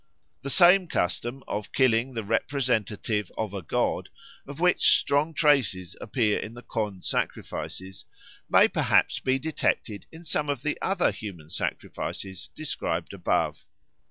The same custom of killing the representative of a god, of which strong traces appear in the Khond sacrifices, may perhaps be detected in some of the other human sacrifices described above.